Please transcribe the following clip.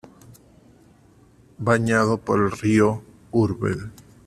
Bañado por el río Urbel.